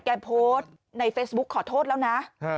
โพสต์ในเฟซบุ๊คขอโทษแล้วนะ